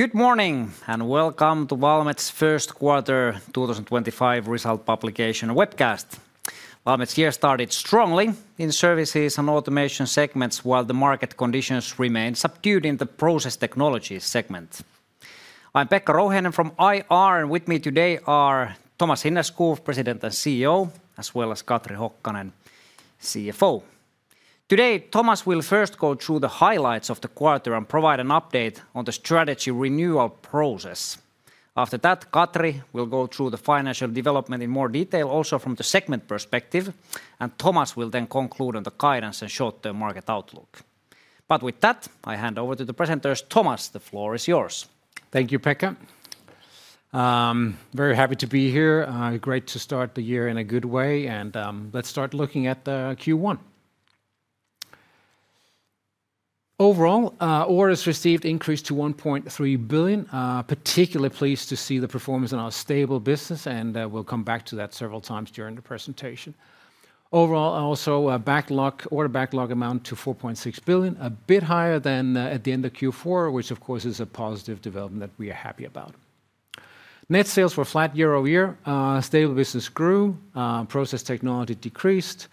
Good morning and welcome to Valmet's First Quarter 2025 Result Publication webcast. Valmet's year started strongly in Services and Automation segments while the market conditions remained subdued in the Process Technologies segment. I'm Pekka Rouhiainen from IR, and with me today are Thomas Hinnerskov, President and CEO, as well as Katri Hokkanen, CFO. Today, Thomas will first go through the highlights of the quarter and provide an update on the strategy renewal process. After that, Katri will go through the financial development in more detail, also from the segment perspective, and Thomas will then conclude on the guidance and short-term market outlook. With that, I hand over to the presenters. Thomas, the floor is yours. Thank you, Pekka. Very happy to be here. Great to start the year in a good way. Let's start looking at Q1. Overall, orders received increased to 1.3 billion. Particularly pleased to see the performance in our stable business, and we'll come back to that several times during the presentation. Overall, also order backlog amounted to 4.6 billion, a bit higher than at the end of Q4, which of course is a positive development that we are happy about. Net sales were flat year-over-year. Stable business grew. Process Technology decreased,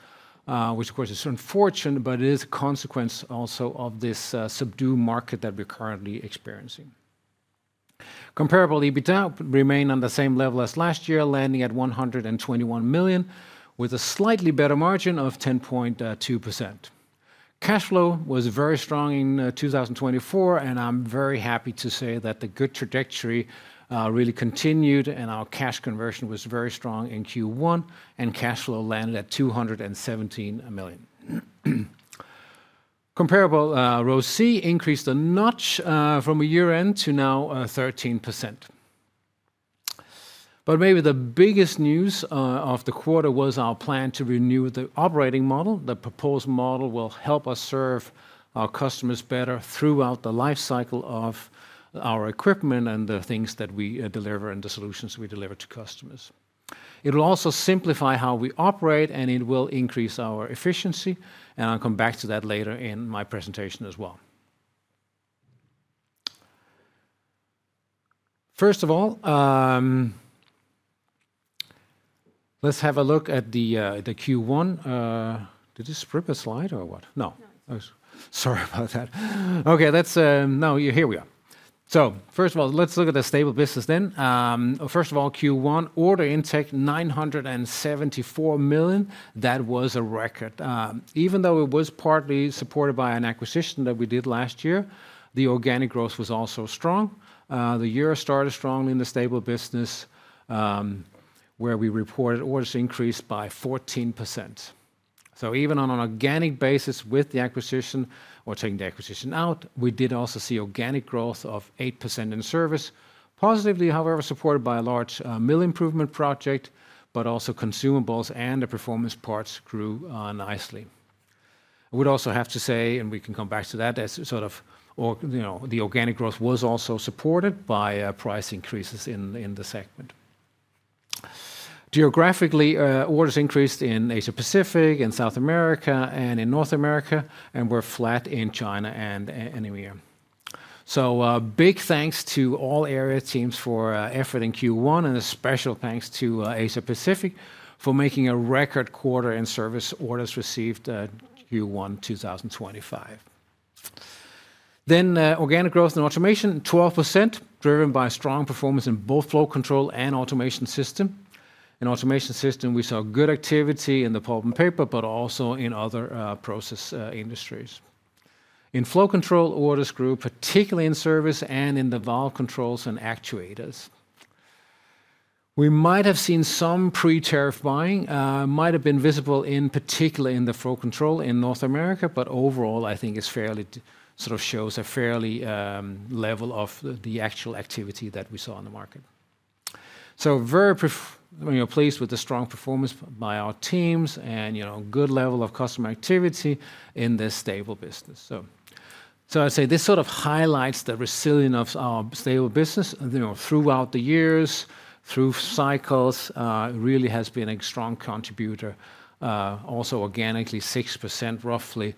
which of course is unfortunate, but it is a consequence also of this subdued market that we're currently experiencing. Comparable EBITDA remained on the same level as last year, landing at 121 million, with a slightly better margin of 10.2%. Cash flow was very strong in 2024, and I'm very happy to say that the good trajectory really continued, and our cash conversion was very strong in Q1, and cash flow landed at 217 million. Comparable ROCE increased a notch from a year-end to now 13%. Maybe the biggest news of the quarter was our plan to renew the operating model. The proposed model will help us serve our customers better throughout the lifecycle of our equipment and the things that we deliver and the solutions we deliver to customers. It will also simplify how we operate, and it will increase our efficiency. I'll come back to that later in my presentation as well. First of all, let's have a look at the Q1. Did you strip a slide or what? No. Sorry about that. Okay, that's now here we are. First of all, let's look at the stable business then. First of all, Q1, order intake 974 million. That was a record. Even though it was partly supported by an acquisition that we did last year, the organic growth was also strong. The year started strongly in the stable business, where we reported orders increased by 14%. Even on an organic basis with the acquisition or taking the acquisition out, we did also see organic growth of 8% in service. Positively, however, supported by a large mill improvement project, but also consumables and the performance parts grew nicely. We'd also have to say, and we can come back to that, that sort of the organic growth was also supported by price increases in the segment. Geographically, orders increased in Asia Pacific, in South America, and in North America, and were flat in China and EMEA. Big thanks to all area teams for effort in Q1, and a special thanks to Asia Pacific for making a record quarter in service orders received Q1 2025. Organic growth in automation, 12%, driven by strong performance in both Flow Control and Automation System. In Automation System, we saw good activity in the pulp and paper, but also in Other process industries. In Flow Control, orders grew, particularly in service and in the valve controls and actuators. We might have seen some pre-tarrif buying, might have been visible in particular in the Flow Control in North America, but overall, I think it fairly sort of shows a fair level of the actual activity that we saw in the market. Very pleased with the strong performance by our teams and good level of customer activity in this stable business. I'd say this sort of highlights the resilience of our stable business throughout the years, through cycles. It really has been a strong contributor, also organically 6% roughly.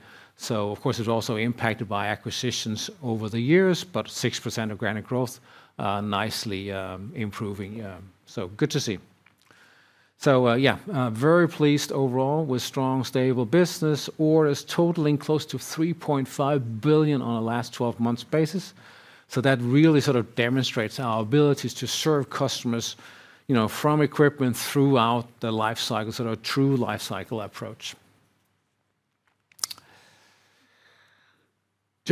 Of course, it's also impacted by acquisitions over the years, but 6% organic growth nicely improving. Good to see. Very pleased overall with strong stable business, orders totaling close to 3.5 billion on a last 12 months basis. That really sort of demonstrates our abilities to serve customers from equipment throughout the lifecycle, sort of true lifecycle approach.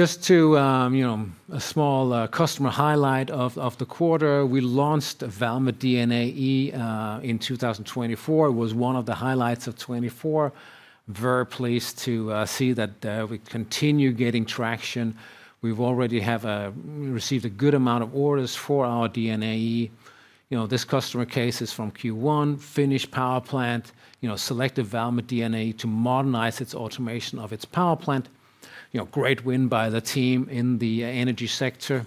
Just a small customer highlight of the quarter, we launched Valmet DNAe in 2024. It was one of the highlights of 2024. Very pleased to see that we continue getting traction. We've already received a good amount of orders for our DNAe. This customer case is from Q1, Finnish power plant, selected Valmet DNAe to modernize its automation of its power plant. Great win by the team in the energy sector.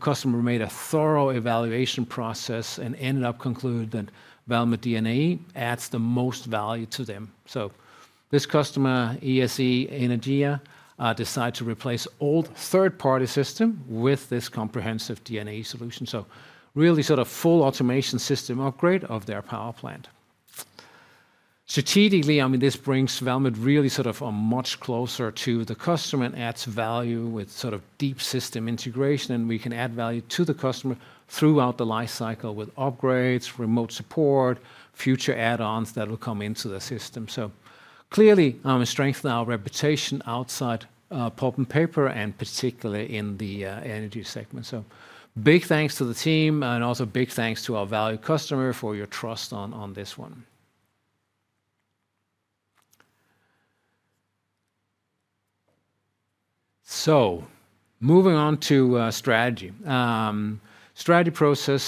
Customer made a thorough evaluation process and ended up concluded that Valmet DNAe adds the most value to them. This customer, ESE Energia, decided to replace old third-party system with this comprehensive DNAe solution. Really sort of full Automation System upgrade of their power plant. Strategically, I mean, this brings Valmet really sort of much closer to the customer and adds value with sort of deep system integration, and we can add value to the customer throughout the lifecycle with upgrades, remote support, future add-ons that will come into the system. Clearly, I'm a strength of our reputation outside pulp and paper and particularly in the Energy segment. Big thanks to the team, and also big thanks to our valued customer for your trust on this one. Moving on to strategy. Strategy process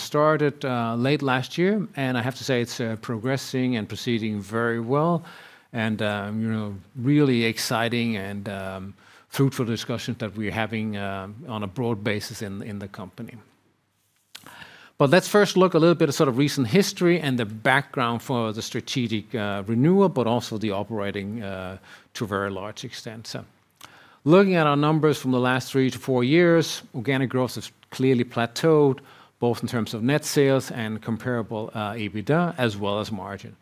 started late last year, and I have to say it's progressing and proceeding very well, and really exciting and fruitful discussions that we're having on a broad basis in the company. Let's first look a little bit at sort of recent history and the background for the strategic renewal, but also the operating to a very large extent. Looking at our numbers from the last three to four years, organic growth has clearly plateaued, both in terms of net sales and comparable EBITDA, as well as margin.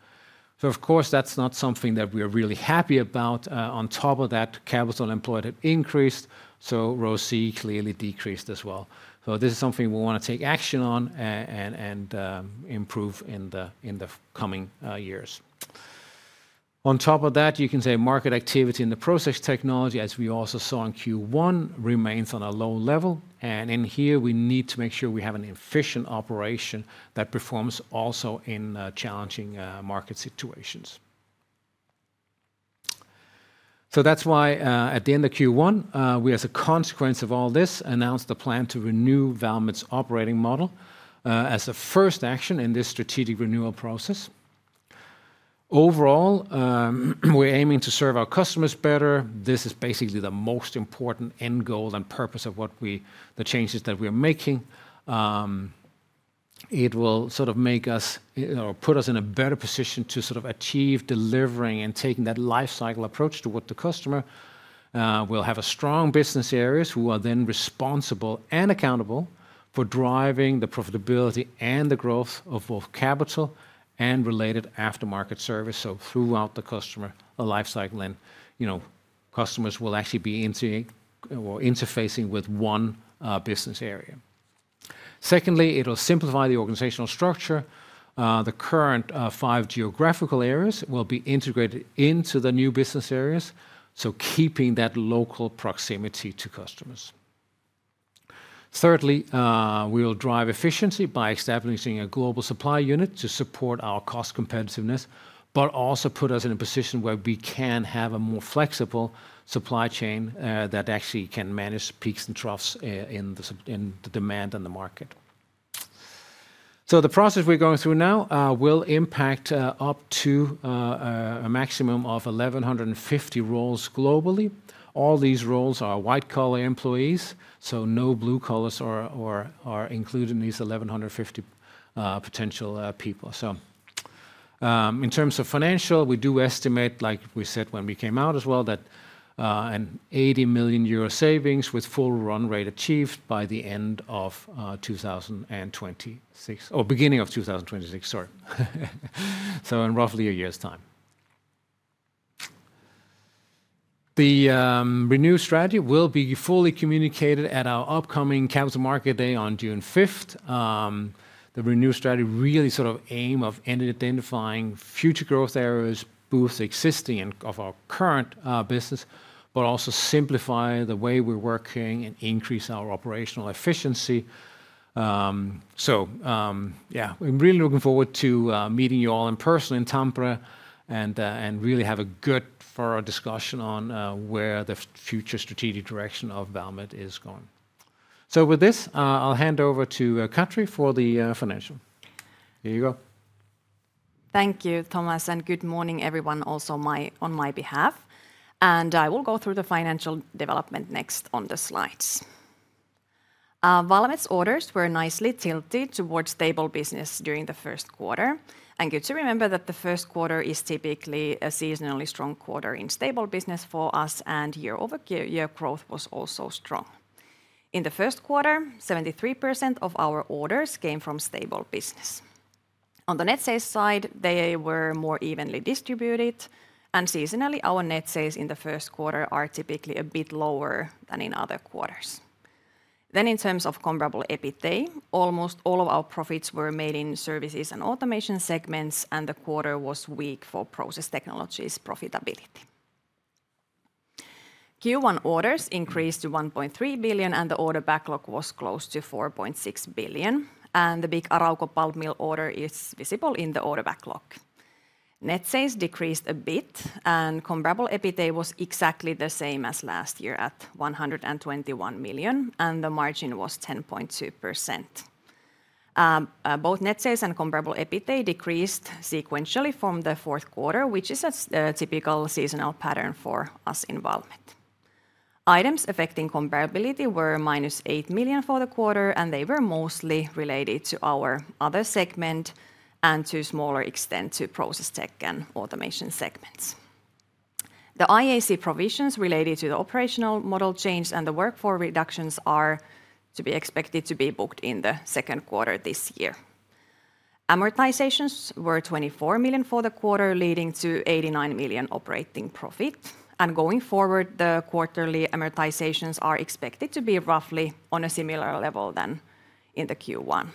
Of course, that's not something that we are really happy about. On top of that, capital employed had increased, so ROCE clearly decreased as well. This is something we want to take action on and improve in the coming years. On top of that, you can say market activity in the Process Technology, as we also saw in Q1, remains on a low level. In here, we need to make sure we have an efficient operation that performs also in challenging market situations. That is why at the end of Q1, we, as a consequence of all this, announced the plan to renew Valmet's operating model as a first action in this strategic renewal process. Overall, we are aiming to serve our customers better. This is basically the most important end goal and purpose of the changes that we are making. It will sort of make us or put us in a better position to sort of achieve delivering and taking that lifecycle approach to what the customer will have a strong business areas who are then responsible and accountable for driving the profitability and the growth of both capital and related aftermarket service. Throughout the customer lifecycle, customers will actually be interfacing with one business area. Secondly, it will simplify the organizational structure. The current five geographical areas will be integrated into the new business areas, keeping that local proximity to customers. Thirdly, we will drive efficiency by establishing a global supply unit to support our cost competitiveness, but also put us in a position where we can have a more flexible supply chain that actually can manage peaks and troughs in the demand and the market. The process we're going through now will impact up to a maximum of 1,150 roles globally. All these roles are white-collar employees, so no blue collars are included in these 1,150 potential people. In terms of financial, we do estimate, like we said when we came out as well, that an 80 million euro savings with full run rate achieved by beginning of 2026. In roughly a year's time. The renew strategy will be fully communicated at our upcoming Capital Markets Day on June 5, 2025. The renew strategy really sort of aims at identifying future growth areas, both existing and of our current business, but also simplify the way we're working and increase our operational efficiency. Yeah, I'm really looking forward to meeting you all in person in Tampere and really have a good discussion on where the future strategic direction of Valmet is going. With this, I'll hand over to Katri for the financial. Here you go. Thank you, Thomas, and good morning everyone also on my behalf. I will go through the financial development next on the slides. Valmet's orders were nicely tilted towards stable business during the first quarter. It is good to remember that the first quarter is typically a seasonally strong quarter in stable business for us, and year-over-year growth was also strong. In the first quarter, 73% of our orders came from stable business. On the net sales side, they were more evenly distributed, and seasonally, our net sales in the first quarter are typically a bit lower than in other quarters. In terms of comparable EBITDA, almost all of our profits were made in services and Automation segments, and the quarter was weak for Process Technologies profitability. Q1 orders increased to 1.3 billion, and the order backlog was close to 4.6 billion. The big Arauco pulp mill order is visible in the order backlog. Net sales decreased a bit, and comparable EBITDA was exactly the same as last year at 121 million, and the margin was 10.2%. Both net sales and comparable EBITDA decreased sequentially from the fourth quarter, which is a typical seasonal pattern for us in Valmet. Items affecting comparability were -8 million for the quarter, and they were mostly related to our Other segment and to a smaller extent to process Tech and Automation segments. The IAC provisions related to the operational model change and the workforce reductions are to be expected to be booked in the second quarter this year. Amortizations were 24 million for the quarter, leading to 89 million operating profit. Going forward, the quarterly amortizations are expected to be roughly on a similar level than in the Q1.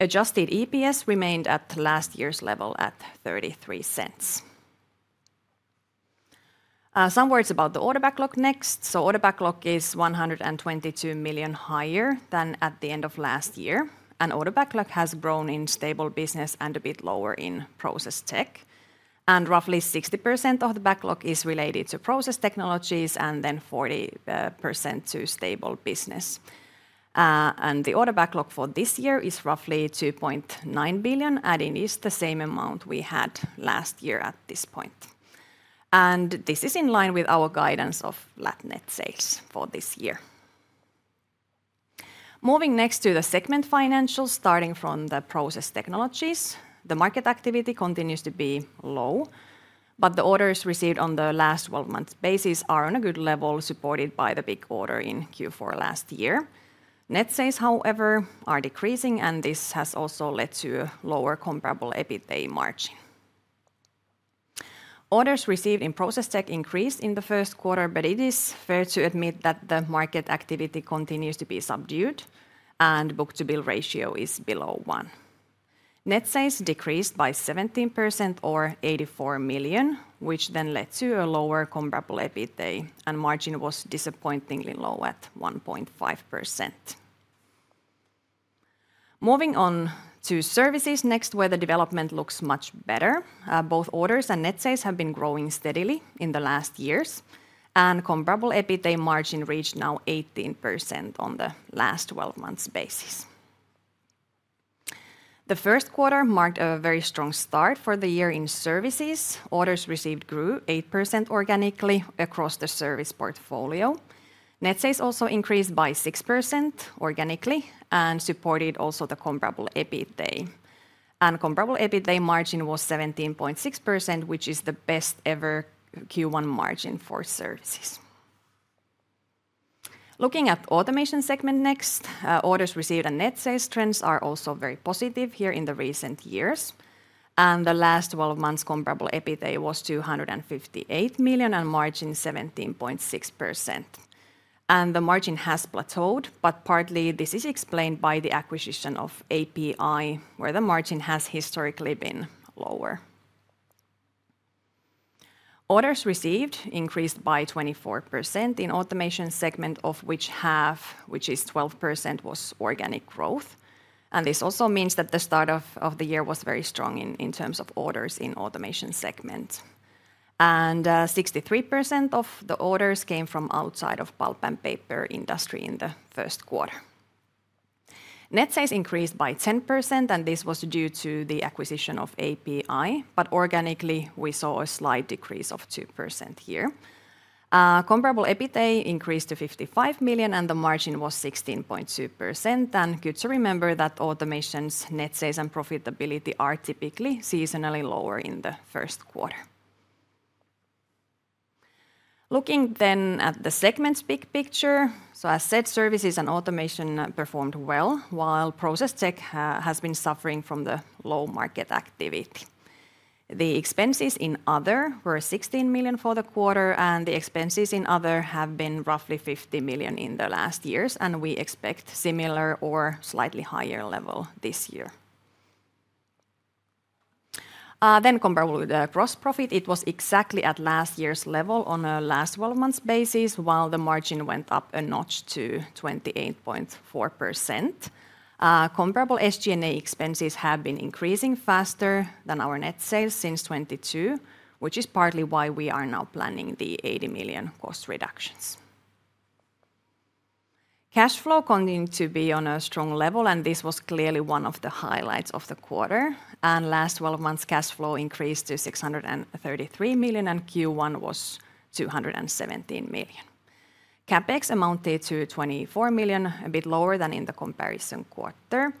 Adjusted EPS remained at last year's level at 0.33. Some words about the order backlog next. The order backlog is 122 million higher than at the end of last year. The order backlog has grown in stable business and is a bit lower in Process Tech. Roughly 60% of the backlog is related to Process Technologies and 40% to stable business. The order backlog for this year is roughly 2.9 billion, adding the same amount we had last year at this point. This is in line with our guidance of flat net sales for this year. Moving next to the segment financials, starting from the Process Technologies, the market activity continues to be low, but the orders received on the last 12 months basis are on a good level, supported by the big order in Q4 last year. Net sales, however, are decreasing, and this has also led to a lower comparable EBITDA margin. Orders received in process tech increased in the first quarter, but it is fair to admit that the market activity continues to be subdued, and book-to-bill ratio is below one. Net sales decreased by 17% or 84 million, which then led to a lower comparable EBITDA, and margin was disappointingly low at 1.5%. Moving on to services next, where the development looks much better. Both orders and net sales have been growing steadily in the last years, and comparable EBITDA margin reached now 18% on the last 12 months basis. The first quarter marked a very strong start for the year in services. Orders received grew 8% organically across the service portfolio. Net sales also increased by 6% organically and supported also the comparable EBITDA. Comparable EBITDA margin was 17.6%, which is the best ever Q1 margin for services. Looking at Automation segment next, orders received and net sales trends are also very positive here in the recent years. The last 12 months comparable EBITDA was 258 million and margin 17.6%. The margin has plateaued, but partly this is explained by the acquisition of API, where the margin has historically been lower. Orders received increased by 24% in Automation segment, of which half, which is 12%, was organic growth. This also means that the start of the year was very strong in terms of orders in Automation segment. 63% of the orders came from outside of pulp and paper industry in the first quarter. Net sales increased by 10%, and this was due to the acquisition of API, but organically we saw a slight decrease of 2% here. Comparable EBITDA increased to 55 million and the margin was 16.2%. It is good to remember that automation's net sales and profitability are typically seasonally lower in the first quarter. Looking at the segments big picture, as said, services and automation performed well, while Process Tech has been suffering from the low market activity. The expenses in Other were 16 million for the quarter, and the expenses in Other have been roughly 50 million in the last years, and we expect a similar or slightly higher level this year. Comparable with the gross profit, it was exactly at last year's level on a last 12 months basis, while the margin went up a notch to 28.4%. Comparable SG&A expenses have been increasing faster than our net sales since 2022, which is partly why we are now planning the 80 million cost reductions. Cash flow continued to be on a strong level, and this was clearly one of the highlights of the quarter. Last 12 months cash flow increased to 633 million, and Q1 was 217 million. CapEx amounted to 24 million, a bit lower than in the comparison quarter.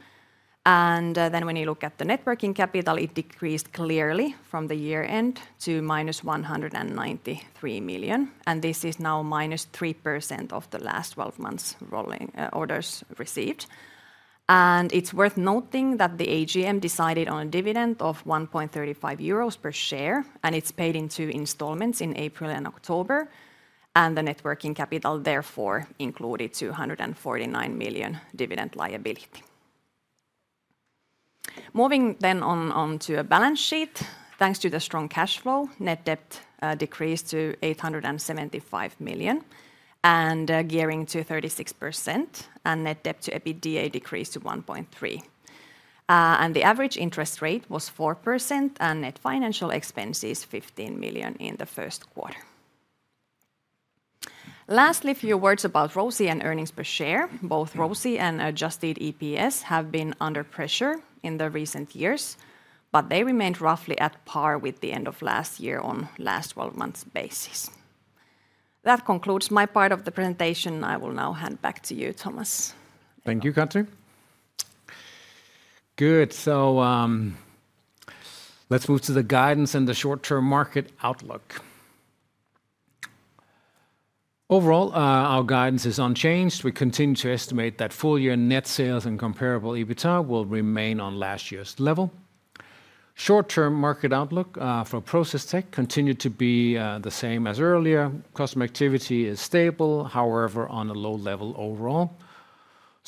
When you look at the net working capital, it decreased clearly from the year-end to -193 million. This is now -3% of the last 12 months orders received. It is worth noting that the AGM decided on a dividend of 1.35 euros per share, and it is paid in two installments in April and October. The working capital therefore included 249 million dividend liability. Moving on to the balance sheet, thanks to the strong cash flow, net debt decreased to 875 million and gearing to 36%, and net debt to EBITDA decreased to 1.3. The average interest rate was 4% and net financial expenses 15 million in the first quarter. Lastly, a few words about ROCE and earnings per share. Both ROCE and adjusted EPS have been under pressure in the recent years, but they remained roughly at par with the end of last year on last 12 months basis. That concludes my part of the presentation. I will now hand back to you, Thomas. Thank you, Katri. Good. Let's move to the guidance and the short-term market outlook. Overall, our guidance is unchanged. We continue to estimate that full year net sales and comparable EBITDA will remain on last year's level. Short-term market outlook for process tech continued to be the same as earlier. Customer activity is stable, however, on a low level overall.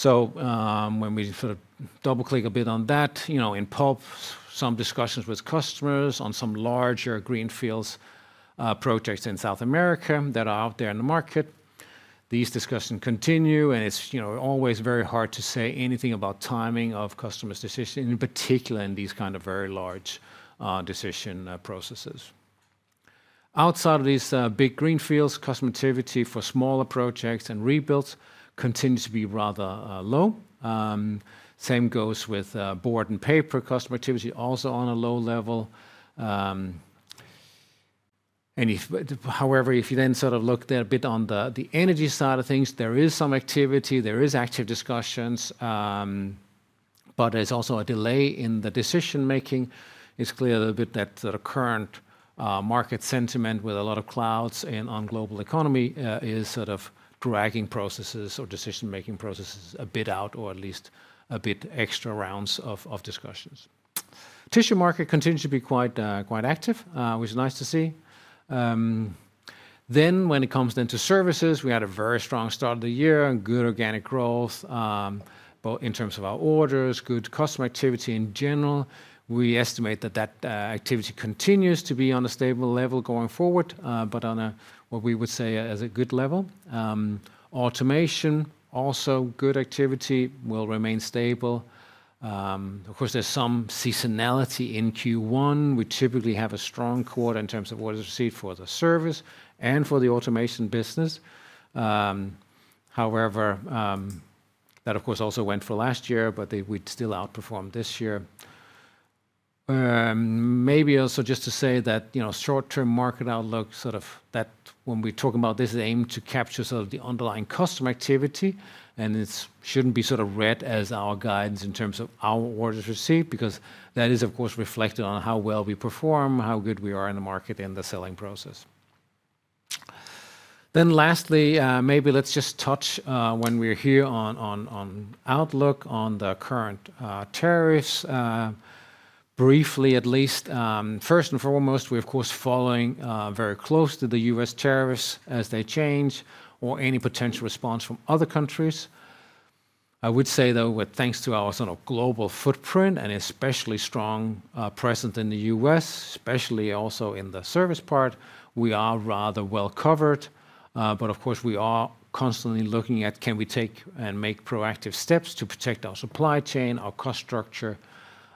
When we sort of double-click a bit on that, in pulp, some discussions with customers on some larger greenfield projects in South America that are out there in the market. These discussions continue, and it's always very hard to say anything about timing of customers' decisions, in particular in these kind of very large decision processes. Outside of these big greenfields, customer activity for smaller projects and rebuilds continues to be rather low. Same goes with board and paper customer activity, also on a low level. However, if you then sort of look there a bit on the energy side of things, there is some activity, there is active discussions, but there's also a delay in the decision-making. It's clear a little bit that the current Market sentiment with a lot of clouds on global economy is sort of dragging processes or decision-making processes a bit out or at least a bit extra rounds of discussions. Tissue market continues to be quite active, which is nice to see. When it comes then to services, we had a very strong start of the year, good organic growth in terms of our orders, good customer activity in general. We estimate that that activity continues to be on a stable level going forward, but on what we would say as a good level. Automation, also good activity, will remain stable. Of course, there's some seasonality in Q1. We typically have a strong quarter in terms of what is received for the service and for the Automation business. However, that of course also went for last year, but they would still outperform this year. Maybe also just to say that short-term market outlook, sort of that when we talk about this, is aimed to capture sort of the underlying customer activity, and it should not be sort of read as our guidance in terms of our orders receipt because that is of course reflected on how well we perform, how good we are in the market and the selling process. Lastly, maybe let's just touch when we're here on outlook on the current tariffs briefly at least. First and foremost, we're of course following very closely the U.S. tariffs as they change or any potential response from other countries. I would say though with thanks to our sort of global footprint and especially strong presence in the U.S., especially also in the service part, we are rather well covered. Of course, we are constantly looking at can we take and make proactive steps to protect our supply chain, our cost structure.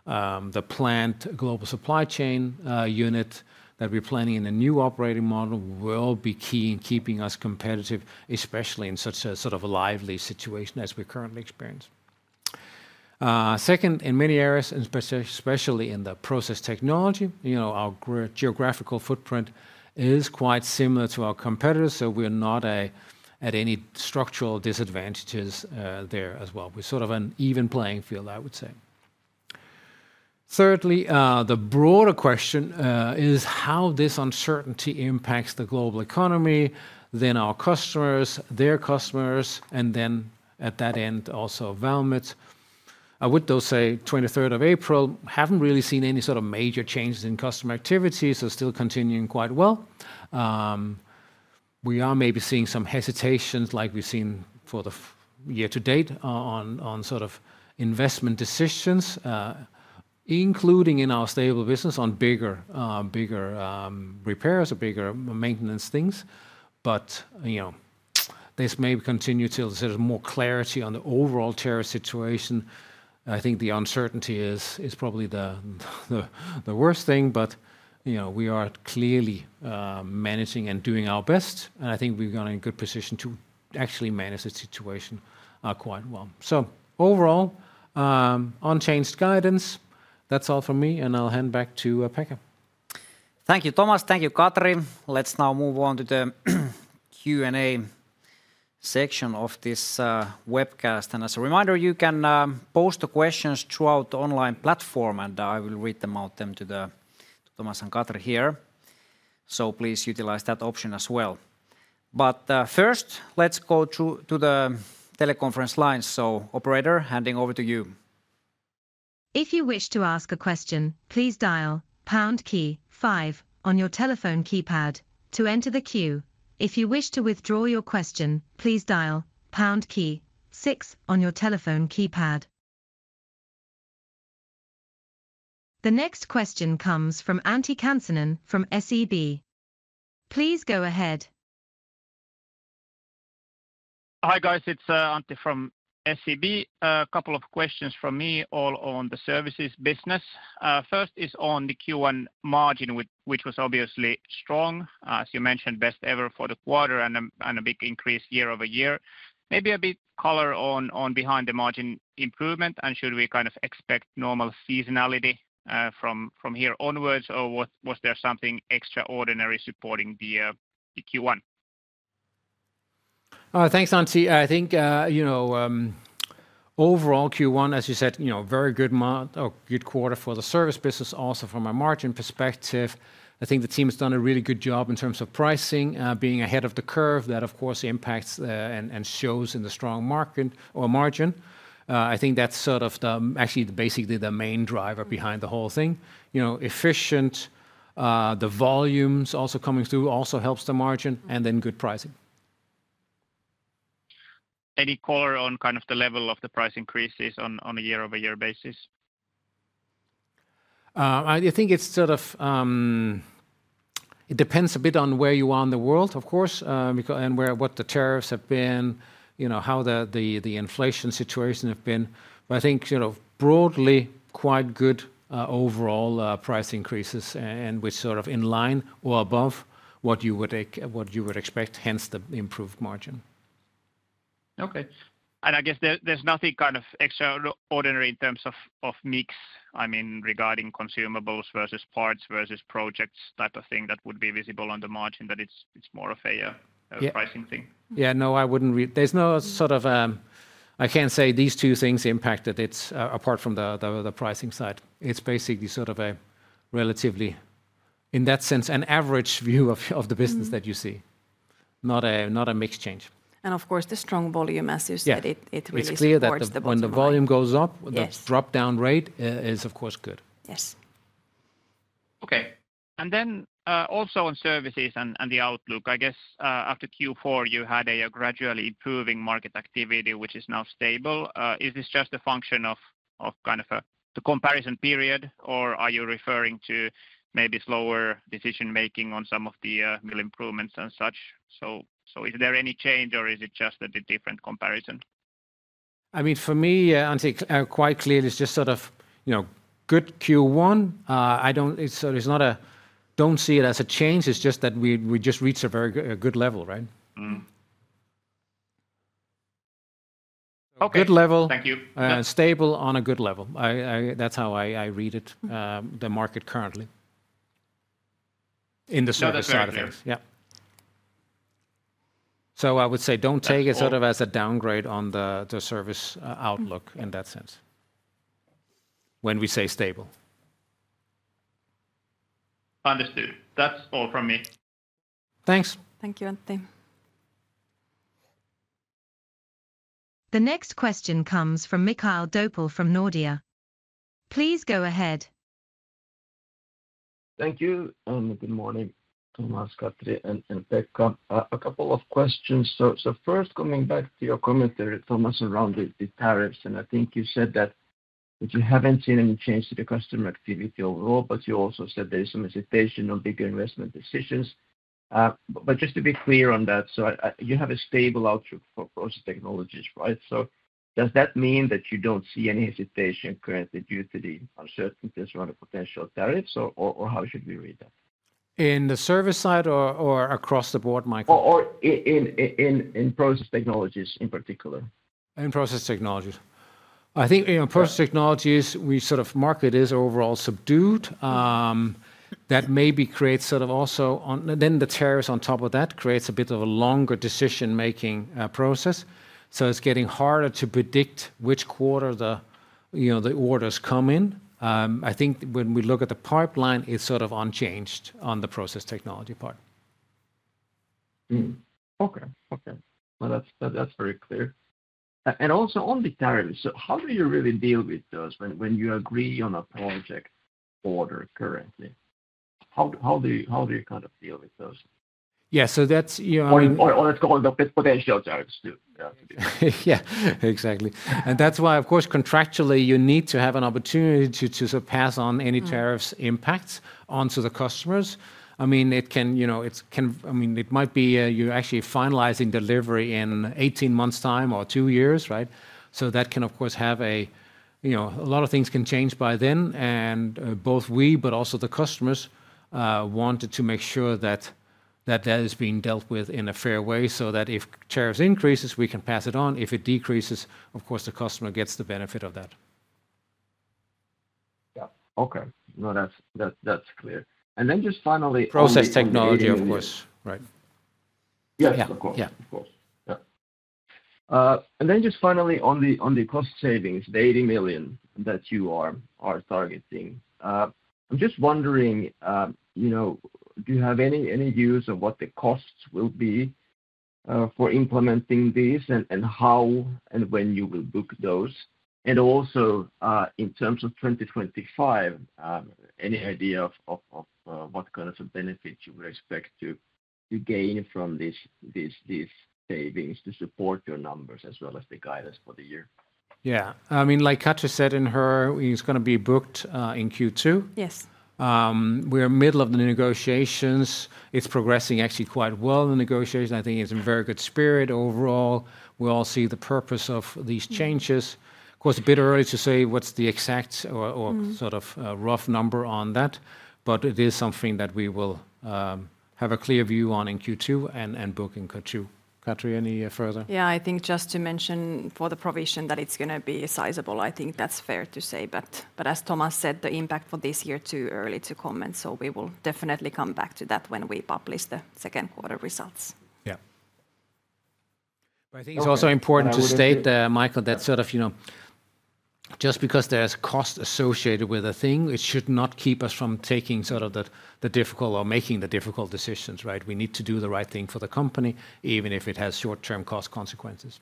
The planned global supply chain unit that we're planning in a new operating model will be key in keeping us competitive, especially in such a sort of a lively situation as we currently experience. Second, in many areas, especially in the Process Technology, our geographical footprint is quite similar to our competitors, so we're not at any structural disadvantages there as well. We're sort of an even playing field, I would say. Thirdly, the broader question is how this uncertainty impacts the global economy, then our customers, their customers, and then at that end also Valmet. I would though say 23rd of April, haven't really seen any sort of major changes in customer activity, so still continuing quite well. We are maybe seeing some hesitations like we've seen for the year-to-date on sort of investment decisions, including in our stable business on bigger repairs or bigger maintenance things. This may continue till there's more clarity on the overall tariff situation. I think the uncertainty is probably the worst thing, but we are clearly managing and doing our best, and I think we've gone in a good position to actually manage the situation quite well. Overall, unchanged guidance. That's all for me, and I'll hand back to Pekka. Thank you, Thomas. Thank you, Katri. Let's now move on to the Q&A section of this webcast. As a reminder, you can post the questions throughout the online platform, and I will read them out to Thomas and Katri here. Please utilize that option as well. First, let's go to the teleconference line. Operator, handing over to you. If you wish to ask a question, please dial pound key five on your telephone keypad to enter the queue. If you wish to withdraw your question, please dial pound key six on your telephone keypad. The next question comes from Antti Kansanen from SEB. Please go ahead. Hi guys, it's Antti from SEB. A couple of questions from me all on the Services business. First is on the Q1 margin, which was obviously strong, as you mentioned, best ever for the quarter and a big increase year-over-year. Maybe a bit color on behind the margin improvement, and should we kind of expect normal seasonality from here onwards, or was there something extraordinary supporting the Q1? Thanks, Antti. I think overall Q1, as you said, very good quarter for the Service business, also from a margin perspective. I think the team has done a really good job in terms of pricing, being ahead of the curve. That of course impacts and shows in the strong market or margin. I think that's sort of actually basically the main driver behind the whole thing. Efficient, the volumes also coming through also helps the margin, and then good pricing. Any color on kind of the level of the price increases on a year-over-year basis? I think it sort of depends a bit on where you are in the world, of course, and what the tariffs have been, how the inflation situation has been. I think broadly quite good overall price increases, and which sort of in line or above what you would expect, hence the improved margin. Okay. I guess there's nothing kind of extraordinary in terms of mix, I mean, regarding consumables versus parts versus projects type of thing that would be visible on the margin, that it's more of a pricing thing. Yeah, no, I wouldn't read there's no sort of I can't say these two things impacted it apart from the pricing side. It's basically sort of a relatively, in that sense, an average view of the business that you see, not a mixed change. Of course, the strong volume, as you said, it really supports the bottom line. When the volume goes up, the dropdown rate is of course good. Yes. Okay. Also on services and the outlook, I guess after Q4 you had a gradually improving market activity, which is now stable. Is this just a function of kind of a comparison period, or are you referring to maybe slower decision-making on some of the improvements and such? Is there any change, or is it just a different comparison? I mean, for me, Antti, quite clearly it's just sort of good Q1. I don't see it as a change. It's just that we just reached a very good level, right? Okay. Good level. Thank you. Stable on a good level. That's how I read it, the market currently. That's fair. In the service side of things, yeah. I would say don't take it sort of as a downgrade on the service outlook in that sense. When we say stable. Understood. That's all from me. Thanks. Thank you, Antti. The next question comes from Mikael Doepel from Nordea. Please go ahead. Thank you. Good morning, Thomas, Katri, and Pekka. A couple of questions. First, coming back to your commentary, Thomas, around the tariffs, and I think you said that you have not seen any change to the customer activity overall, but you also said there is some hesitation on bigger investment decisions. Just to be clear on that, you have a stable outlook for Process Technologies, right? Does that mean that you do not see any hesitation currently due to the uncertainties around the potential tariffs, or how should we read that? In the service side or across the board, Mikhail? Or in Process Technologies in particular? In Process Technologies. I think in Process Technologies, we sort of market is overall subdued. That maybe creates sort of also then the tariffs on top of that creates a bit of a longer decision-making process. It is getting harder to predict which quarter the orders come in. I think when we look at the pipeline, it is sort of unchanged on the Process Technology part. Okay. That's very clear. Also on the tariffs, how do you really deal with those when you agree on a project order currently? How do you kind of deal with those? Yeah, so that's. Let's call it the potential tariffs too. Yeah, exactly. That is why, of course, contractually, you need to have an opportunity to pass on any tariffs impacts onto the customers. I mean, it can, I mean, it might be you're actually finalizing delivery in 18 months' time or two years, right? That can, of course, have a lot of things can change by then, and both we but also the customers wanted to make sure that that is being dealt with in a fair way so that if tariffs increases, we can pass it on. If it decreases, of course, the customer gets the benefit of that. Yeah. Okay. No, that's clear. And then just finally. Process Technology, of course. Right. Yes, of course. Of course. Yeah. Just finally on the cost savings, the 80 million that you are targeting, I'm just wondering, do you have any views on what the costs will be for implementing these and how and when you will book those? Also, in terms of 2025, any idea of what kind of benefits you would expect to gain from these savings to support your numbers as well as the guidance for the year? Yeah. I mean, like Katri said, it's going to be booked in Q2. Yes. We're in the middle of the negotiations. It's progressing actually quite well in the negotiations. I think it's in very good spirit overall. We all see the purpose of these changes. Of course, a bit early to say what's the exact or sort of rough number on that, but it is something that we will have a clear view on in Q2 and book in Q2. Katri, any further? Yeah, I think just to mention for the provision that it's going to be sizable, I think that's fair to say. As Thomas said, the impact for this year too early to comment, so we will definitely come back to that when we publish the second quarter results. Yeah. I think it's also important to state, Mikael, that just because there's cost associated with a thing, it should not keep us from making the difficult decisions, right? We need to do the right thing for the company, even if it has short-term cost consequences.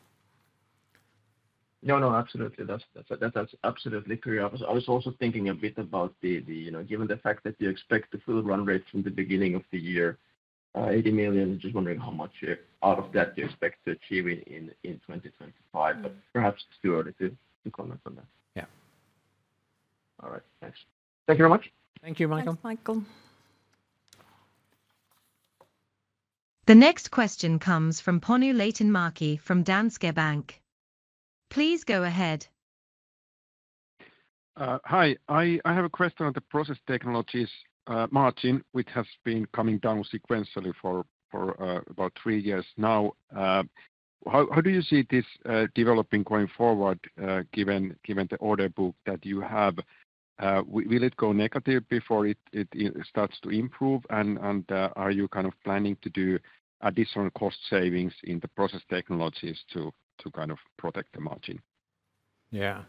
No, no, absolutely. That's absolutely clear. I was also thinking a bit about given the fact that you expect the full run rate from the beginning of the year, 80 million, just wondering how much out of that you expect to achieve in 2025. Perhaps it's too early to comment on that. Yeah. All right. Thanks. Thank you very much. Thank you, Mikael. Thanks, Mikael. The next question comes from Panu Laitinmäki from Danske Bank. Please go ahead. Hi. I have a question on the Process Technologies margin, which has been coming down sequentially for about three years now. How do you see this developing going forward given the order book that you have? Will it go negative before it starts to improve? Are you kind of planning to do additional cost savings in the Process Technologies to kind of protect the margin? Yeah.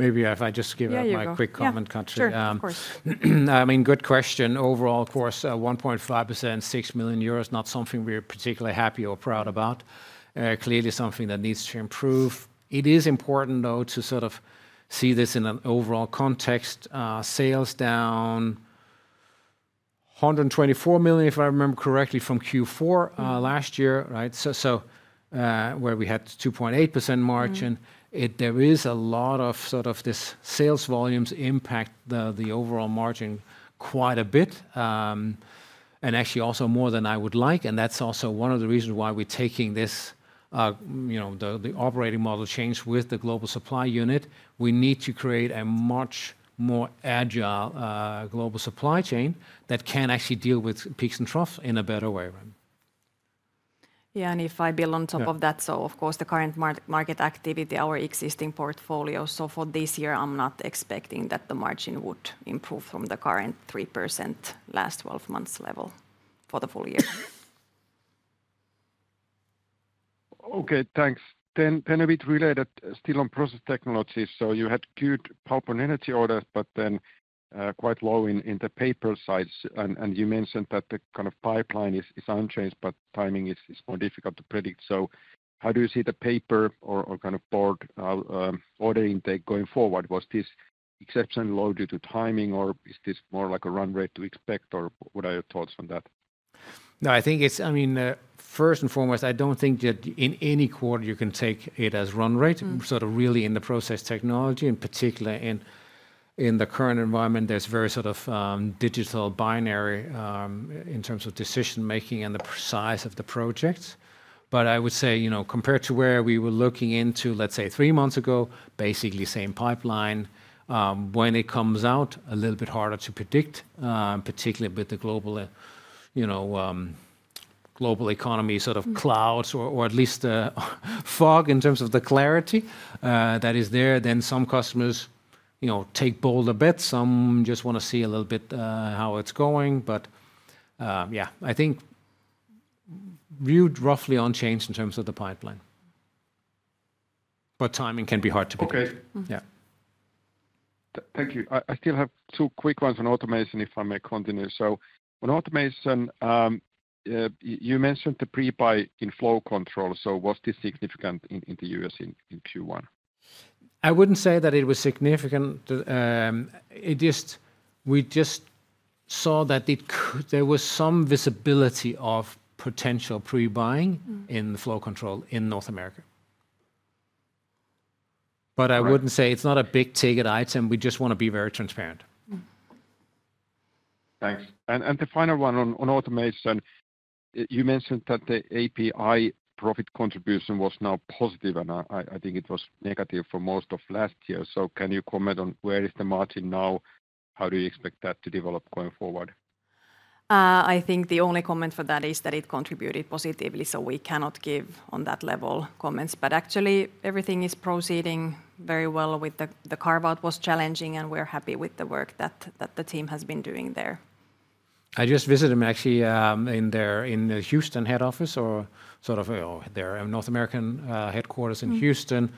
Maybe if I just give a quick comment, Katri. Yeah. Sure, of course. I mean, good question. Overall, of course, 1.5%, 6 million euros, not something we're particularly happy or proud about. Clearly something that needs to improve. It is important, though, to sort of see this in an overall context. Sales down 124 million, if I remember correctly, from Q4 last year, right? Where we had 2.8% margin, there is a lot of sort of this sales volumes impact the overall margin quite a bit, and actually also more than I would like. That is also one of the reasons why we're taking the operating model change with the global supply unit. We need to create a much more agile global supply chain that can actually deal with peaks and troughs in a better way. Yeah, and if I build on top of that, of course, the current market activity, our existing portfolio. For this year, I'm not expecting that the margin would improve from the current 3% last 12 months level for the full year. Okay, thanks. A bit related, still on Process Technologies. You had good pulp and energy orders, but then quite low in the paper side. You mentioned that the kind of pipeline is unchanged, but timing is more difficult to predict. How do you see the paper or kind of board order intake going forward? Was this exceptionally low due to timing, or is this more like a run rate to expect, or what are your thoughts on that? No, I think it's, I mean, first and foremost, I don't think that in any quarter you can take it as run rate, sort of really in the Process Technology. In particular, in the current environment, there's very sort of digital binary in terms of decision-making and the size of the projects. I would say compared to where we were looking into, let's say, three months ago, basically same pipeline. When it comes out, a little bit harder to predict, particularly with the global economy sort of clouds or at least fog in terms of the clarity that is there. Some customers take bolder bets. Some just want to see a little bit how it's going. Yeah, I think viewed roughly unchanged in terms of the pipeline. Timing can be hard to predict. Okay. Thank you. I still have two quick ones on Automation, if I may continue. On Automation, you mentioned the pre-buy in Flow Control. Was this significant in the U.S. in Q1? I would not say that it was significant. We just saw that there was some visibility of potential pre-buying in the Flow Control in North America. I would not say it is a big ticket item. We just want to be very transparent. Thanks. The final one on automation, you mentioned that the API profit contribution was now positive, and I think it was negative for most of last year. Can you comment on where is the margin now? How do you expect that to develop going forward? I think the only comment for that is that it contributed positively, so we cannot give on that level comments. Actually, everything is proceeding very well with the carve-out was challenging, and we're happy with the work that the team has been doing there. I just visited them actually in their Houston head office or sort of their North American headquarters in Houston,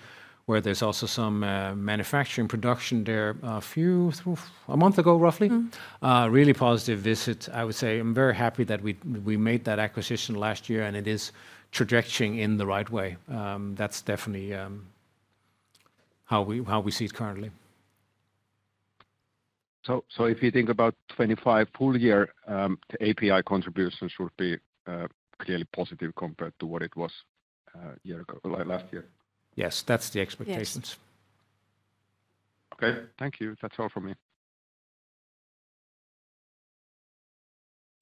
where there's also some manufacturing production there a few a month ago roughly. Really positive visit, I would say. I'm very happy that we made that acquisition last year, and it is trajectorying in the right way. That's definitely how we see it currently. If you think about 2025 full year, the API contribution should be clearly positive compared to what it was last year. Yes, that's the expectations. Okay. Thank you. That's all from me.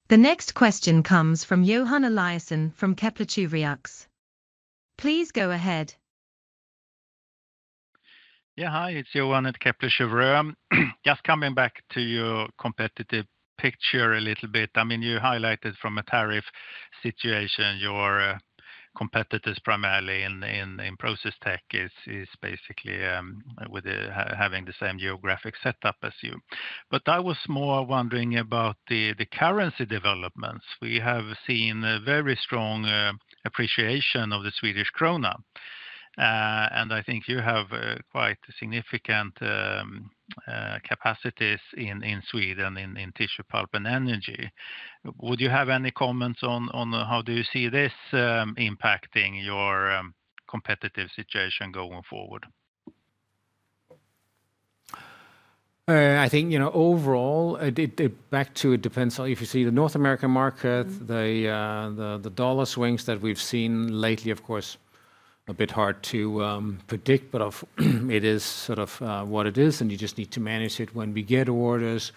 The next question comes from Johan Eliasson from Kepler Cheuvreux. Please go ahead. Yeah, hi. It's Johan at Kepler Cheuvreux. Just coming back to your competitive picture a little bit. I mean, you highlighted from a tariff situation, your competitors primarily in Process Tech is basically having the same geographic setup as you. I was more wondering about the currency developments. We have seen very strong appreciation of the Swedish krona. And I think you have quite significant capacities in Sweden in tissue, pulp, and energy. Would you have any comments on how do you see this impacting your competitive situation going forward? I think overall, back to it depends on if you see the North American market, the dollar swings that we've seen lately, of course, a bit hard to predict, but it is sort of what it is, and you just need to manage it. When we get orders,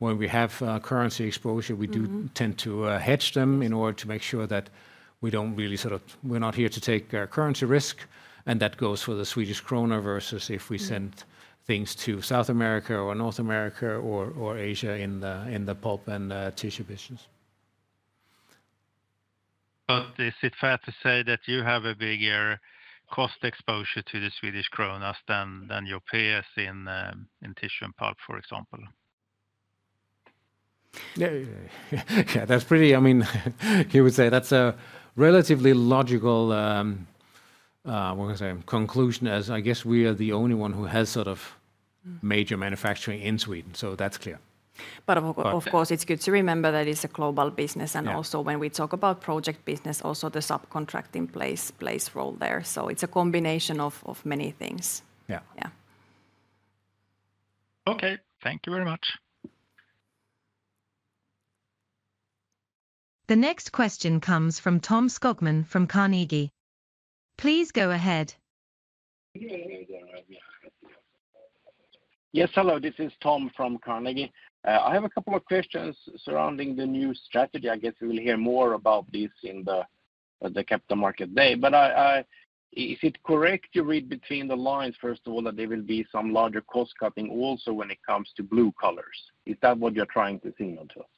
when we have currency exposure, we do tend to hedge them in order to make sure that we don't really sort of we're not here to take currency risk. That goes for the Swedish krona versus if we send things to South America or North America, or Asia in the pulp and tissue business. Is it fair to say that you have a bigger cost exposure to the Swedish krona than your peers in tissue and pulp, for example? Yeah, that's pretty, I mean, you would say that's a relatively logical, what was I saying, conclusion as I guess we are the only one who has sort of major manufacturing in Sweden. So that's clear. Of course, it's good to remember that it's a global business. Also, when we talk about project business, the subcontracting plays a role there. It's a combination of many things. Yeah. Okay. Thank you very much. The next question comes from Tom Skogman from Carnegie. Please go ahead. Yes, hello. This is Tom from Carnegie. I have a couple of questions surrounding the new strategy. I guess we will hear more about this in the Capital Market Day. Is it correct to read between the lines, first of all, that there will be some larger cost cutting also when it comes to blue colors? Is that what you're trying to signal to us?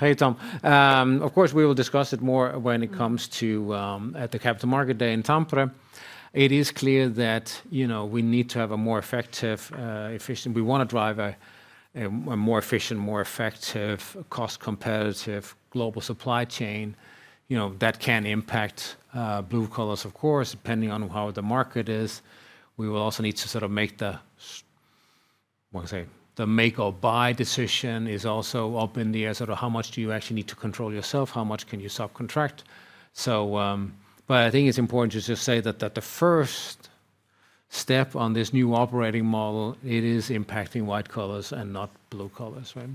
Hey, Tom. Of course, we will discuss it more when it comes to the Capital Market Day in Tampere. It is clear that we need to have a more effective, efficient, we want to drive a more efficient, more effective, cost-competitive global supply chain that can impact blue colors, of course, depending on how the market is. We will also need to sort of make the, what was I saying, the make or buy decision is also up in the air, sort of how much do you actually need to control yourself, how much can you subcontract? I think it's important to just say that the first step on this new operating model, it is impacting white colors and not blue colors, right?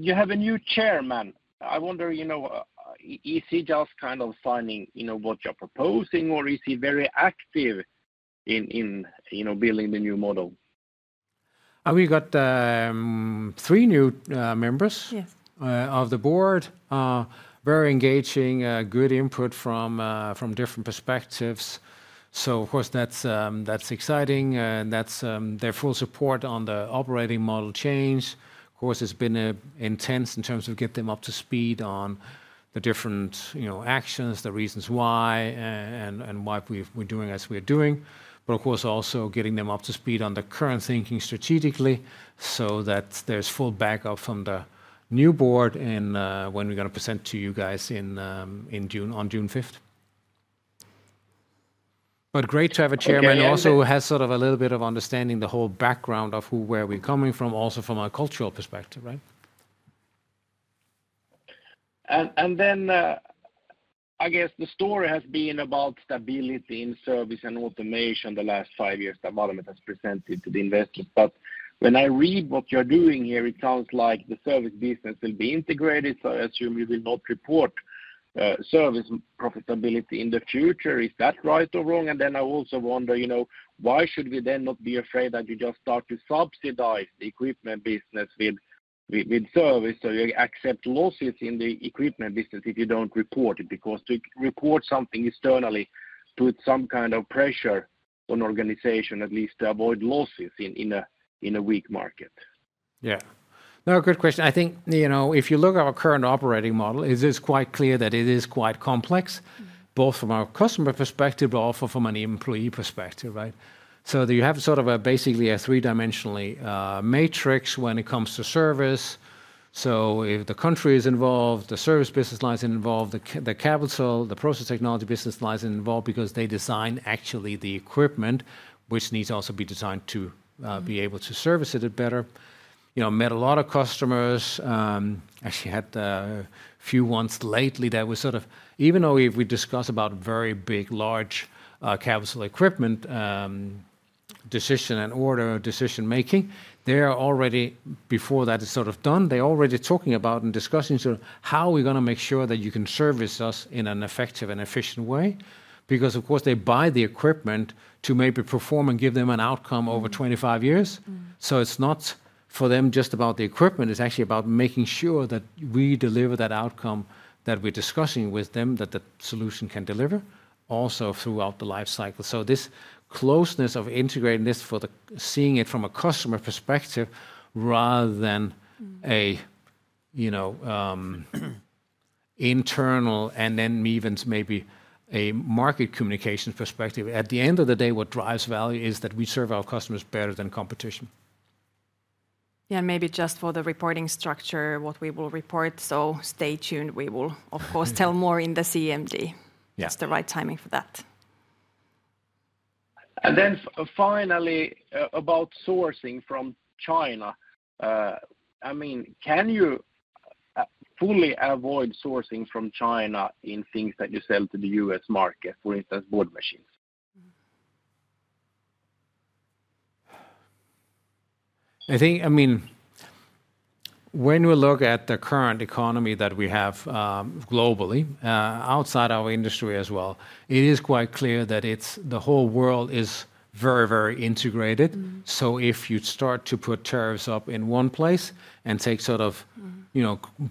You have a new chairman. I wonder, is he just kind of signing what you're proposing, or is he very active in building the new model? We got three new members of the board, very engaging, good input from different perspectives. Of course, that's exciting. That's their full support on the operating model change. It's been intense in terms of getting them up to speed on the different actions, the reasons why and why we're doing as we're doing. Of course, also getting them up to speed on the current thinking strategically so that there's full backup from the new board when we're going to present to you guys on June 5th. Great to have a chairman who also has sort of a little bit of understanding the whole background of where we're coming from, also from a cultural perspective, right? I guess the story has been about stability in service and automation the last five years that Valmet has presented to the investors. When I read what you're doing here, it sounds like the service business will be integrated. I assume you will not report service profitability in the future. Is that right or wrong? I also wonder, why should we then not be afraid that you just start to subsidize the equipment business with service? You accept losses in the equipment business if you don't report it because to report something externally puts some kind of pressure on organization, at least to avoid losses in a weak market. Yeah. No, good question. I think if you look at our current operating model, it is quite clear that it is quite complex, both from our customer perspective but also from an employee perspective, right? You have sort of basically a three-dimensional matrix when it comes to service. If the country is involved, the service business lines are involved, the capitals, the Process Technology business lines are involved because they design actually the equipment, which needs also to be designed to be able to service it better. Met a lot of customers. Actually had a few ones lately that were sort of, even though we discuss about very big, large capital equipment decision and order decision-making, they are already, before that is sort of done, they're already talking about and discussing sort of how we're going to make sure that you can service us in an effective and efficient way. Because of course, they buy the equipment to maybe perform and give them an outcome over 25 years. It is not for them just about the equipment. It is actually about making sure that we deliver that outcome that we're discussing with them that the solution can deliver also throughout the life cycle. This closeness of integrating this for the seeing it from a customer perspective rather than an internal and then maybe a market communication perspective. At the end of the day, what drives value is that we serve our customers better than competition. Yeah, and maybe just for the reporting structure, what we will report. Stay tuned. We will, of course, tell more in the CMD. It's the right timing for that. Finally, about sourcing from China. I mean, can you fully avoid sourcing from China in things that you sell to the U.S. market, for instance, board machines? I think, I mean, when we look at the current economy that we have globally outside our industry as well, it is quite clear that the whole world is very, very integrated. If you start to put tariffs up in one place and take sort of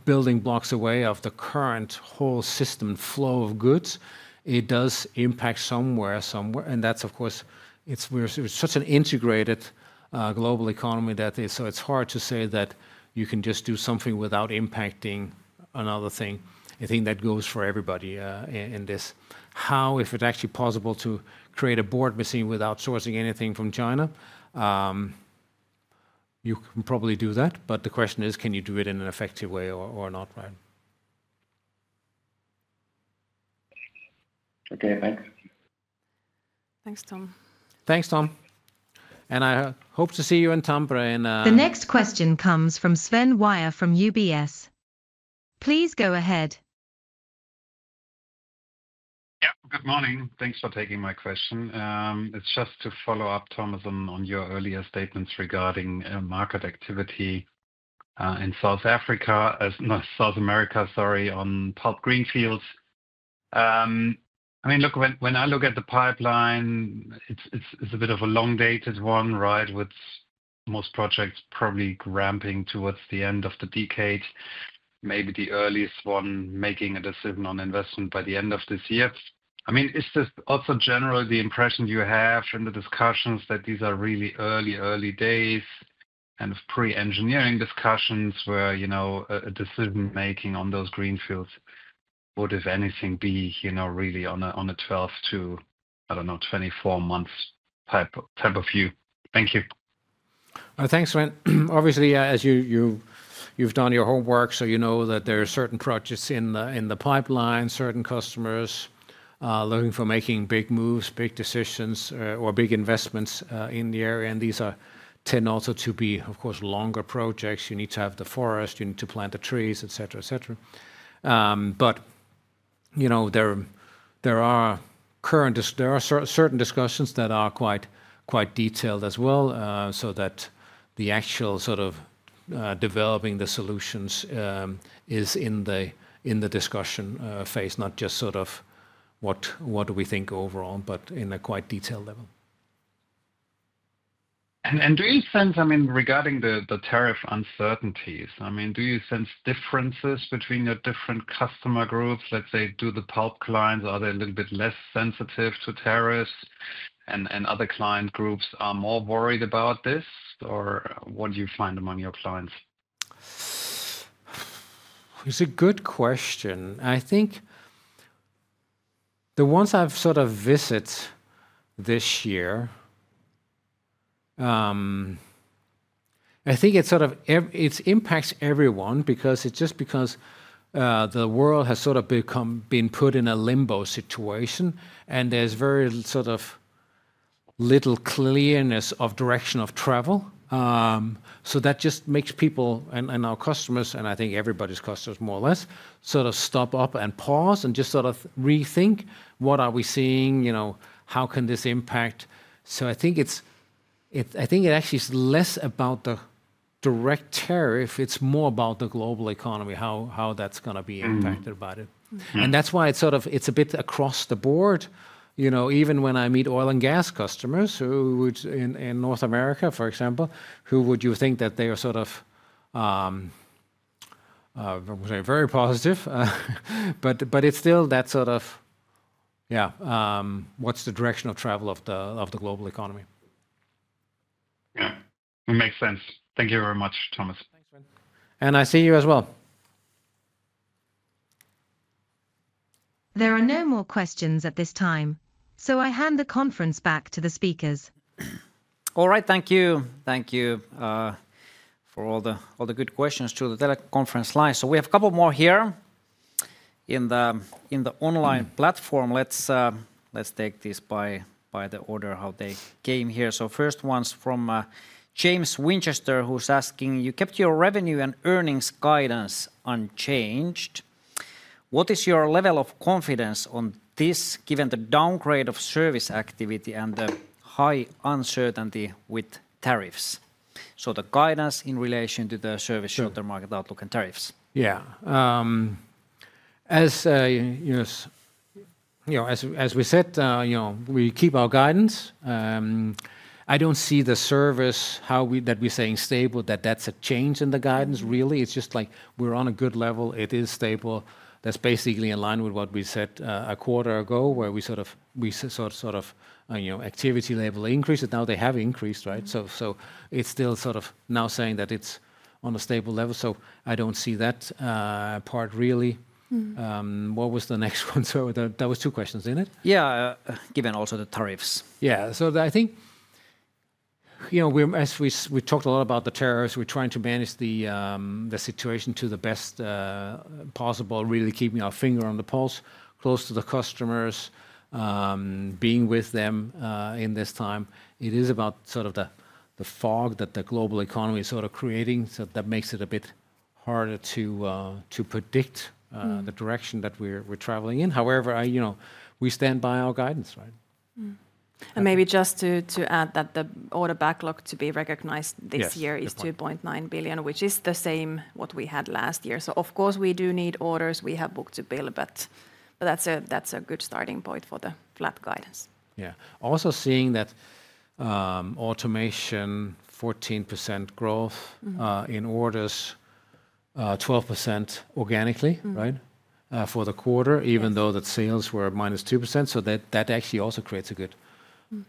building blocks away of the current whole system flow of goods, it does impact somewhere, somewhere. That is, of course, it's such an integrated global economy that it's hard to say that you can just do something without impacting another thing. I think that goes for everybody in this. How, if it's actually possible to create a board machine without sourcing anything from China, you can probably do that. The question is, can you do it in an effective way or not, right? Okay, thanks. Thanks, Tom. Thanks, Tom. I hope to see you in Tampere. The next question comes from Sven Weier from UBS. Please go ahead. Yep, good morning. Thanks for taking my question. It's just to follow up, Tom, on your earlier statements regarding market activity in South America, sorry, on pulp greenfields. I mean, look, when I look at the pipeline, it's a bit of a long-dated one, right, with most projects probably ramping towards the end of the decade, maybe the earliest one making a decision on investment by the end of this year. I mean, is this also generally the impression you have from the discussions that these are really early, early days and pre-engineering discussions where a decision-making on those greenfields would, if anything, be really on a 12 months-24 months type of view? Thank you. Thanks, Sven. Obviously, as you've done your homework, you know that there are certain projects in the pipeline, certain customers looking for making big moves, big decisions, or big investments in the area. These tend also to be, of course, longer projects. You need to have the forest, you need to plant the trees, etc., etc. There are certain discussions that are quite detailed as well so that the actual sort of developing the solutions is in the discussion phase, not just sort of what do we think overall, but in a quite detailed level. Do you sense, I mean, regarding the tariff uncertainties, do you sense differences between your different customer groups? Let's say, do the pulp clients, are they a little bit less sensitive to tariffs? And other client groups are more worried about this? Or what do you find among your clients? It's a good question. I think the ones I've sort of visited this year, I think it sort of impacts everyone because it's just because the world has sort of been put in a limbo situation, and there's very sort of little clearness of direction of travel. That just makes people and our customers, and I think everybody's customers more or less, sort of stop up and pause and just sort of rethink, what are we seeing? How can this impact? I think it actually is less about the direct tariff. It's more about the global economy, how that's going to be impacted by it. That's why it's sort of, it's a bit across the board. Even when I meet oil and gas customers in North America, for example, who would you think that they are sort of very positive? It's still that sort of, yeah, what's the direction of travel of the global economy? Yeah, it makes sense. Thank you very much, Thomas. Thanks, Sven. I see you as well. There are no more questions at this time. I hand the conference back to the speakers. All right, thank you. Thank you for all the good questions through the teleconference line. We have a couple more here in the online platform. Let's take this by the order how they came here. The first one's from James Winchester, who's asking, "You kept your revenue and earnings guidance unchanged. What is your level of confidence on this, given the downgrade of service activity and the high uncertainty with tariffs?" The guidance in relation to the service shelter market outlook and tariffs. Yeah. As we said, we keep our guidance. I don't see the service that we're saying stable, that that's a change in the guidance, really. It's just like we're on a good level. It is stable. That's basically in line with what we said a quarter ago where we sort of, we saw sort of activity level increase. Now they have increased, right? It's still sort of now saying that it's on a stable level. I don't see that part really. What was the next one? There were two questions in it. Yeah. Given also the tariffs. I think as we talked a lot about the tariffs, we're trying to manage the situation to the best possible, really keeping our finger on the pulse, close to the customers, being with them in this time. It is about sort of the fog that the global economy is sort of creating. That makes it a bit harder to predict the direction that we're traveling in. However, we stand by our guidance, right? Maybe just to add that the order backlog to be recognized this year is 2.9 billion, which is the same as what we had last year. Of course, we do need orders. We have book-to-bill, but that's a good starting point for the flat guidance. Yeah. Also seeing that Automation, 14% growth in orders, 12% organically, right, for the quarter, even though that sales were -2%. That actually also creates a good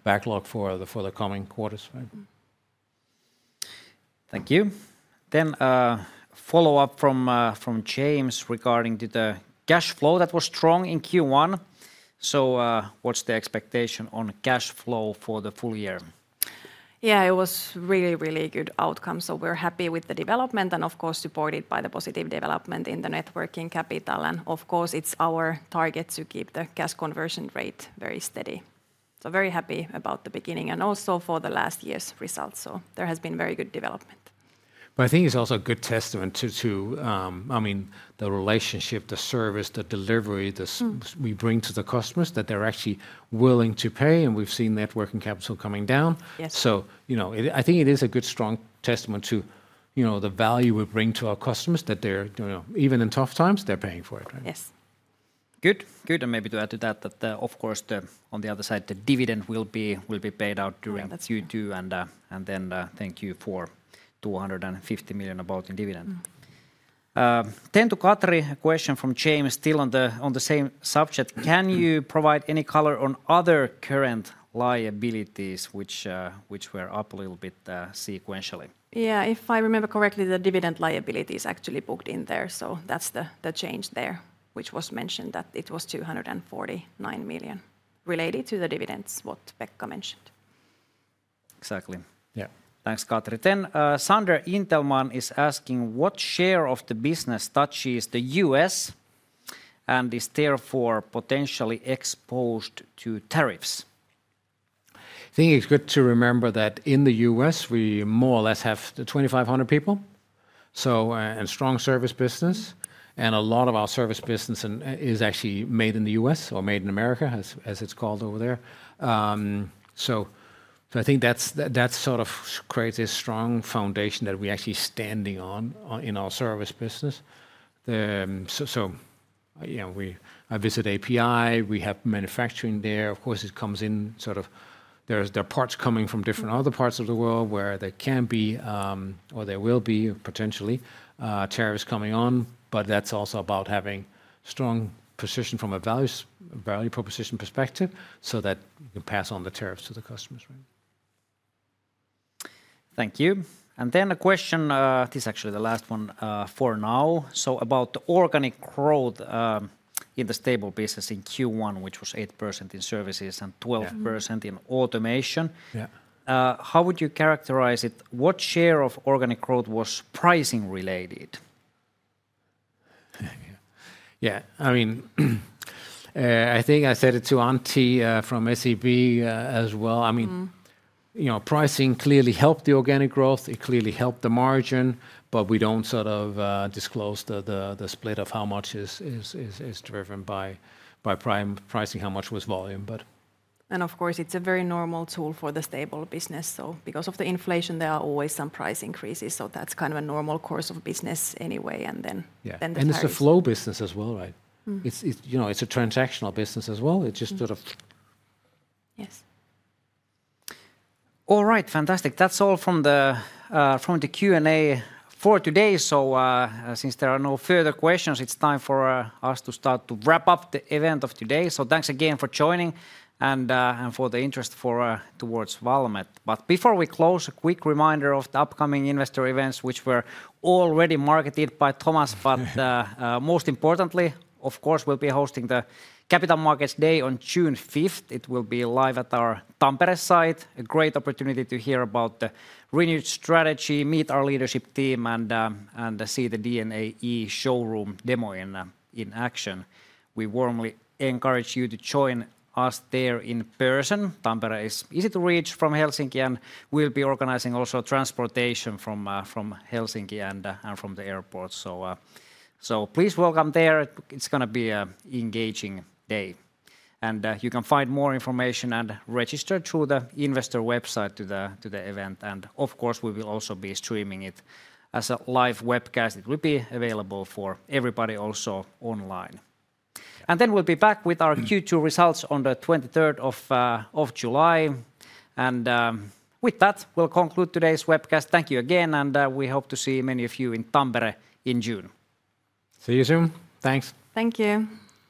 backlog for the coming quarters, right? Thank you. Follow-up from James regarding the cash flow that was strong in Q1. What is the expectation on cash flow for the full year? Yeah, it was really, really good outcome. We are happy with the development and, of course, supported by the positive development in the net working capital. Of course, it is our target to keep the cash conversion rate very steady. Very happy about the beginning and also for last year's results. There has been very good development. I think it's also a good testament to, I mean, the relationship, the service, the delivery that we bring to the customers, that they're actually willing to pay. We've seen working capital coming down. I think it is a good strong testament to the value we bring to our customers that even in tough times, they're paying for it, right? Yes. Good, good. Maybe to add to that, of course, on the other side, the dividend will be paid out during Q2. Thank you for 250 million about in dividend. To Katri, a question from James, still on the same subject. Can you provide any color on other current liabilities, which were up a little bit sequentially? Yeah, if I remember correctly, the dividend liabilities actually booked in there. So that's the change there, which was mentioned that it was 249 million related to the dividends, what Pekka mentioned. Exactly. Yeah. Thanks, Katri. Sander Intelmann is asking, what share of the business touches the U.S. and is therefore potentially exposed to tariffs? I think it's good to remember that in the U.S., we more or less have 2,500 people and a strong service business. A lot of our service business is actually made in the U.S. or made in America, as it's called over there. I think that sort of creates a strong foundation that we're actually standing on in our service business. I visit API. We have manufacturing there. Of course, it comes in sort of there are parts coming from different other parts of the world where there can be or there will be potentially tariffs coming on. That's also about having a strong position from a value proposition perspective so that you can pass on the tariffs to the customers, right? Thank you. A question, this is actually the last one for now. About the organic growth in the stable business in Q1, which was 8% in services and 12% in Automation. How would you characterize it? What share of organic growth was pricing-related? Yeah. I mean, I think I said it to Antti from SEB as well. I mean, pricing clearly helped the organic growth. It clearly helped the margin. We do not sort of disclose the split of how much is driven by pricing, how much was volume, but. Of course, it's a very normal tool for the stable business. Because of the inflation, there are always some price increases. That's kind of a normal course of business anyway. And then the-- It is a flow business as well, right? It is a transactional business as well. It just sort of. Yes. All right, fantastic. That is all from the Q&A for today. Since there are no further questions, it is time for us to start to wrap up the event of today. Thanks again for joining and for the interest towards Valmet. Before we close, a quick reminder of the upcoming investor events, which were already marketed by Thomas. Most importantly, of course, we will be hosting the Capital Markets Day on June 5, 2025. It will be live at our Tampere site. A great opportunity to hear about the renewed strategy, meet our leadership team, and see the DNAe showroom demo in action. We warmly encourage you to join us there in person. Tampere is easy to reach from Helsinki. We will be organizing also transportation from Helsinki and from the airport. Please welcome there. It is going to be an engaging day. You can find more information and register through the investor website to the event. Of course, we will also be streaming it as a live webcast. It will be available for everybody also online. We will be back with our Q2 results on the 23rd of July. With that, we will conclude today's webcast. Thank you again. We hope to see many of you in Tampere in June. See you soon. Thanks. Thank you.